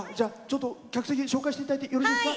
客席紹介していただいてよろしいですか？